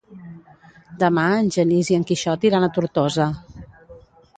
Demà en Genís i en Quixot iran a Tortosa.